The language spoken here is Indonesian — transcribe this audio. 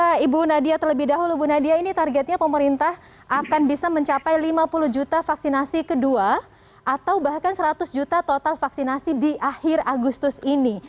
saya ibu nadia terlebih dahulu bu nadia ini targetnya pemerintah akan bisa mencapai lima puluh juta vaksinasi kedua atau bahkan seratus juta total vaksinasi di akhir agustus ini